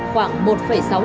khoảng một sáu tỷ đô la mỹ